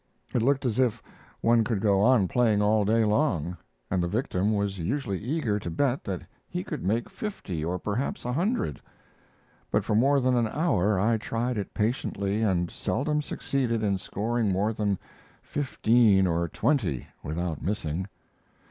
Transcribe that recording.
It looked as if one could go on playing all day long, and the victim was usually eager to bet that he could make fifty or perhaps a hundred; but for more than an hour I tried it patiently, and seldom succeeded in scoring more than fifteen or twenty without missing.